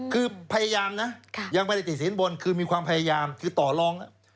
คือพยายามนะยังไม่ได้ติดสินบนคือมีความพยายามคือต่อรอง